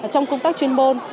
trong công tác chuyên môn